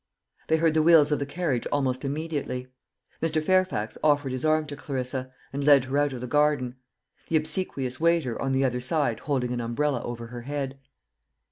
They heard the wheels of the carriage almost immediately. Mr. Fairfax offered his arm to Clarissa, and led her out of the garden; the obsequious waiter on the other side holding an umbrella over her head.